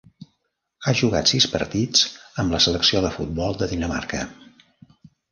Ha jugat sis partits amb la selecció de futbol de Dinamarca.